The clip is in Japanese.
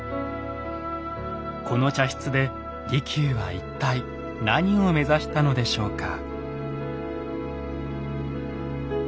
この茶室で利休は一体何を目指したのでしょうか？